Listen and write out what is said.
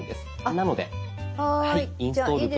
なので「インストール」という。